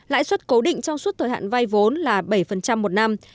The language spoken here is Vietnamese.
lãi suất cố định trong suốt thời hạn vay vốn là bảy một năm